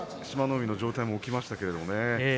海の上体も浮きましたけどね。